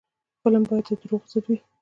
فلم باید د دروغو ضد وي